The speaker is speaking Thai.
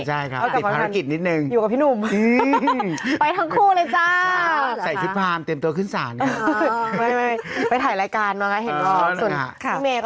ใช่เป็นคอมพิวเตียส์ท่านแรก